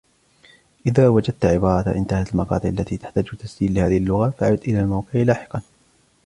اذا وجدت عبارة "انتهت المقاطع التي تحتاج تسجيل لهذه اللغة" فعد الى الموقع لاحقا